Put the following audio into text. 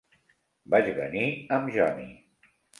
Vaig venir amb Johnny.